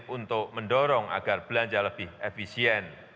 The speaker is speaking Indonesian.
untuk mendorong agar belanja lebih efisien